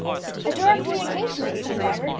"A door of communication!" exclaimed Vibert.